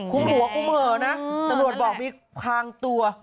คุ้มหัวคุ้มเหมือน่ะตรวจบอกว่ามีความตัว